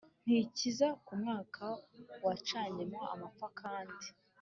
ntikizita ku mwaka wacanyemo amapfa kandi